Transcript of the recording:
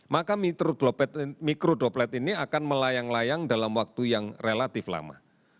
maka mikrodroplet ini akan melayang layang dalam waktu yang relatif lama